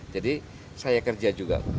jadi saya kerja juga